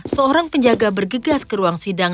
seorang penjaga bergegas ke ruang sidang